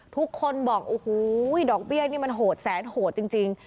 ทุกด๊อกเบียลี่มันโหดแสนโหดจริง